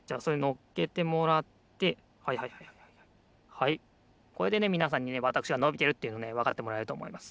はいこれでねみなさんにねわたくしがのびてるっていうのをねわかってもらえるとおもいます。